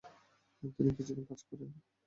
তিনি কিছুদিন কাজ করেন।